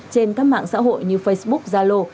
trên các mạng xã hội như facebook zalo